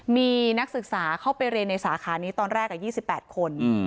มีนักศึกษาเข้าไปเรียนในสาขานี้ตอนแรก๒๘คน